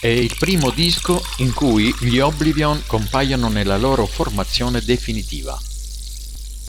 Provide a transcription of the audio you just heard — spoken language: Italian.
È il primo disco in cui gli Oblivion compaiono nella loro formazione definitiva.